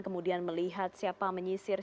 kemudian melihat siapa menyisir